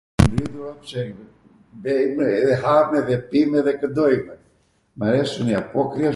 ... edhe hamw edhe pimw edhe kwndojmw... μ' αρέσουν οι Απόκριες